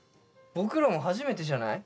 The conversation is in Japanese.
僕らも初めてじゃない？